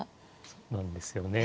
そうなんですよね。